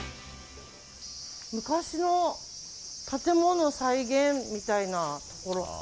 昔の建物再現みたいなところ。